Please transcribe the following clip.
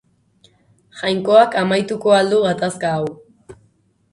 Jainkoak amaituko al du gatazka hau.